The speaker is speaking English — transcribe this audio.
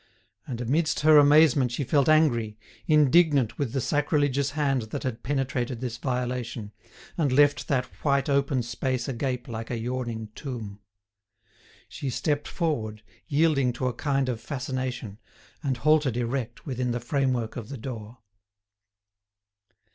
And amidst her amazement she felt angry, indignant with the sacrilegious hand that had penetrated this violation, and left that white open space agape like a yawning tomb. She stepped forward, yielding to a kind of fascination, and halted erect within the framework of the door.